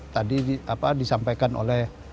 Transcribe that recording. tadi disampaikan oleh